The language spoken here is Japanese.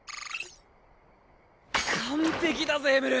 完璧だぜエムル。